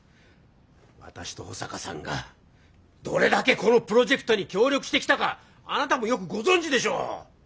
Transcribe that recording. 私と保坂さんがどれだけこのプロジェクトに協力してきたかあなたもよくご存じでしょう！